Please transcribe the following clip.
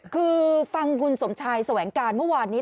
คือฟังคุณสมชายแสวงการเมื่อวานนี้